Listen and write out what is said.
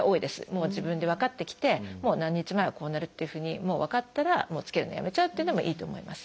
もう自分で分かってきてもう何日前はこうなるっていうふうに分かったらもうつけるのやめちゃうっていうのもいいと思います。